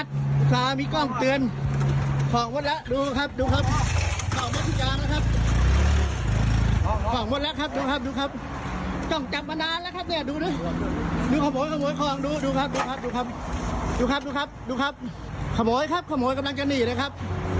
ดูครับดูครับดูครับดูครับดูครับขโมยครับขโมยกำลังจะหนีเลยครับ